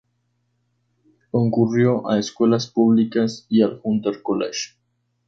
Concurrió a escuelas públicas y al Hunter College.